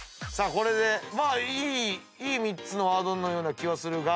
いい３つのワードのような気はするが。